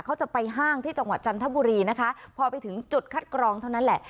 เขาจะไปห้างที่จังหวัดจันทบุรีนะคะพอไปถึงจุดคัดกรองเท่านั้นแหละ